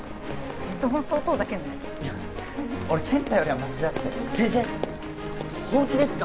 瀬戸も相当だけどねいや俺健太よりはマシだって先生本気ですか？